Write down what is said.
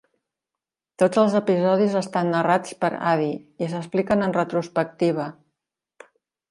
Tots els episodis estan narrats per Addie, i s'expliquen en retrospectiva.